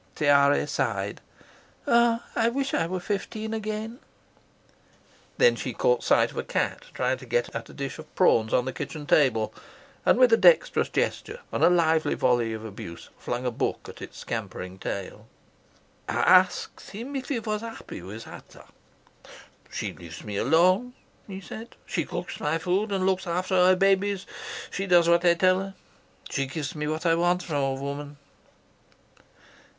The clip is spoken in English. Tiare sighed. "Ah, I wish I were fifteen again." Then she caught sight of a cat trying to get at a dish of prawns on the kitchen table, and with a dexterous gesture and a lively volley of abuse flung a book at its scampering tail. "I asked him if he was happy with Ata. "'She leaves me alone,' he said. 'She cooks my food and looks after her babies. She does what I tell her. She gives me what I want from a woman.'